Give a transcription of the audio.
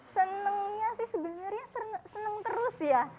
senengnya sih sebenarnya senang terus ya